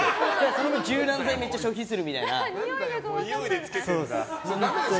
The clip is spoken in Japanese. その分、柔軟剤めっちゃ消費するっていうか。